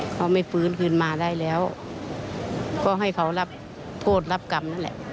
เขาไม่ฟื้นคืนมาได้แล้วก็ให้เขารับโทษรับกรรมนั่นแหละ